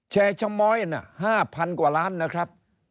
แชร์ชะม้อย๕๐๐กว่าล้านนะครับ